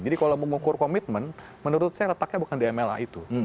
kalau mengukur komitmen menurut saya retaknya bukan di mla itu